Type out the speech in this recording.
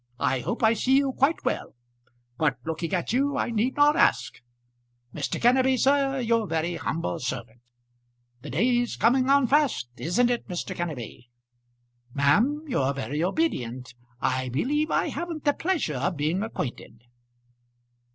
I hope I see you quite well; but looking at you I need not ask. Mr. Kenneby, sir, your very humble servant. The day's coming on fast; isn't it, Mr. Kenneby? Ma'am, your very obedient. I believe I haven't the pleasure of being acquainted."